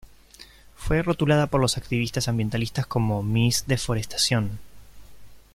Fue rotulada por los activistas ambientalistas como "Miss Deforestación".